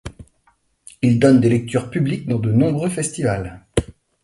Il donne des lectures publiques dans de nombreux festivals.